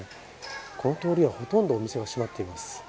この通りはほとんどお店が閉まっています。